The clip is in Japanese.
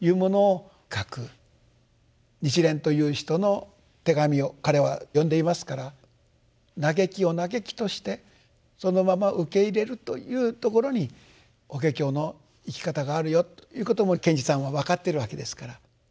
日蓮という人の手紙を彼は読んでいますから嘆きを嘆きとしてそのまま受け入れるというところに「法華経」の生き方があるよということも賢治さんは分かってるわけですから。